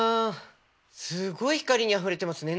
すごい光にあふれてますね。